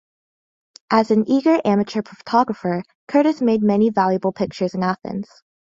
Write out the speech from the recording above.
As an eager amateur photographer, Curtis made many valuable pictures in Athens.